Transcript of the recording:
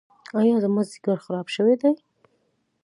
ایا زما ځیګر خراب شوی دی؟